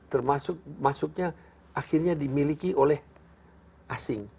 termasuknya akhirnya dimiliki oleh asing